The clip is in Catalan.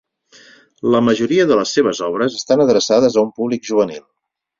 La majoria de les seves obres estan adreçades a un públic juvenil.